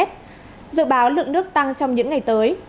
dự báo lượng nước tăng trong những ngày tới